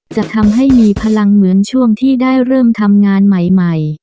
จะทำให้มีพลังเหมือนช่วงที่ได้เริ่มทำงานใหม่